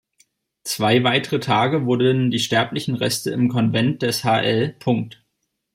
Zwei weitere Tage wurden die sterblichen Reste im Konvent des Hl.